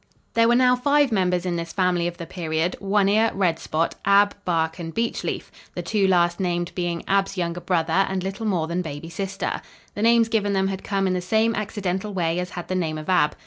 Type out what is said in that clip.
There were now five members in this family of the period, One Ear, Red Spot, Ab, Bark and Beech Leaf, the two last named being Ab's younger brother and little more than baby sister. The names given them had come in the same accidental way as had the name of Ab.